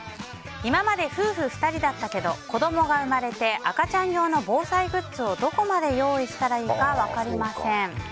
今まで夫婦２人だったけど子供が生まれて赤ちゃん用の防災グッズをどこまで用意したらいいか分かりません。